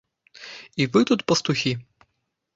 І вы тут, пастухі?